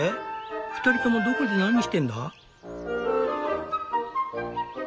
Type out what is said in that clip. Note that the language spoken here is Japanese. ２人ともどこで何してんだ？」。